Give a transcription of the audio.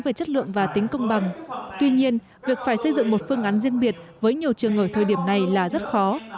về chất lượng và tính công bằng tuy nhiên việc phải xây dựng một phương án riêng biệt với nhiều trường ở thời điểm này là rất khó